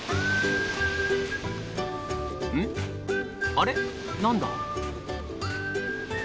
あれ何だ？